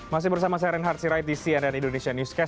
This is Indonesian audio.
masih bersama saya renhard sirai di cnn indonesia newscast